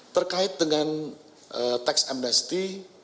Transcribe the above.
terkait dengan tax amnesty